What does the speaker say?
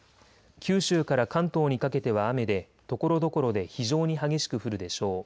九州から関東にかけては雨でところどころで非常に激しく降るでしょう。